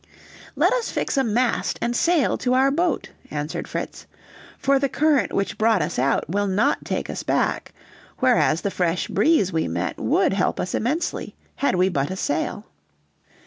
"Let us fix a mast and sail to our boat," answered Fritz; "for the current which brought us out will not take us back, whereas the fresh breeze we met would help us immensely had we but a sail."